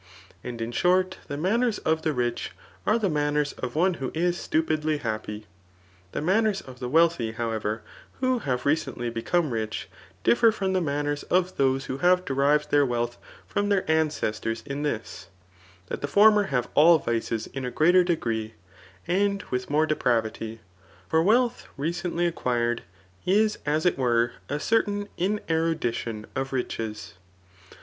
And in short, the manners of the rich are the manners of one who is stupidly happy. The manners of the wealthy, however, who have recently become rich, differ from the manners of those who have derived their wealth from their ancestors in this, that the former have all vices in a greater degree, and with more depravity ; for wealth recently acquired is as it were a certain inerudition of riches.